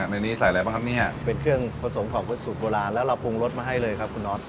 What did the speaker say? ในนี้ใส่อะไรบ้างครับเนี่ยเป็นเครื่องผสมของสูตรโบราณแล้วเราปรุงรสมาให้เลยครับคุณน็อต